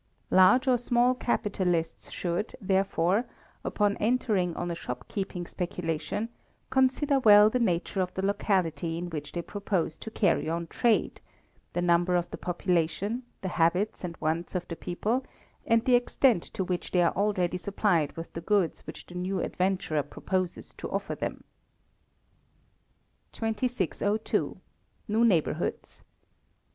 Large or small capitalists should, therefore, upon entering on a shopkeeping speculation, consider well the nature of the locality in which they propose to carry on trade, the number of the population, the habits and wants of the people, and the extent to which they are already supplied with the goods which the new adventurer proposes to offer them. 2602. New Neighbourhoods.